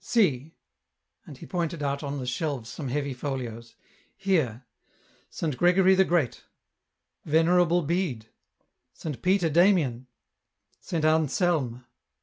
" See," and he pointed out on the shelves some heavy folios, '* here :* Saint Giegory the Great,' 'Venerable Bede,' ' Saint Peter Damian,' ' Samt Anselm.'